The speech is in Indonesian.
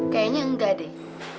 kayaknya enggak deh